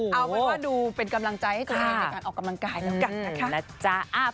เอาเป็นว่าดูเป็นกำลังใจให้ตัวเองในการออกกำลังกายแล้วกันนะคะ